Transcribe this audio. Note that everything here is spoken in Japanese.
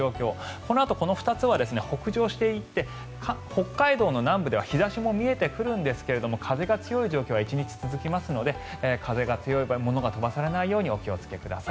このあとこの２つは北上していって北海道の南部では日差しも見えてくるんですが風が強い状況は１日続きますので物が飛ばないようにお気をつけください。